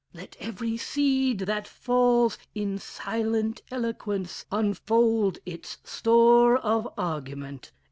Let every seed that falls In silent eloquence unfold its store Of argument.